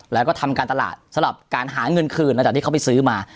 แล้วก็ทำการตลาดสำหรับการหาเงินคืนหลังจากที่เขาไปซื้อมา